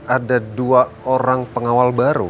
ada dua orang pengawal baru